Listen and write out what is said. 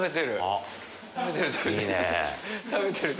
いいね。